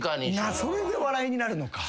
それで笑いになるのか。